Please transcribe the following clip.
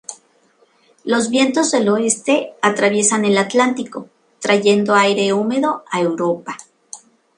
Los vientos del oeste atraviesan el Atlántico, trayendo aire húmedo a Europa.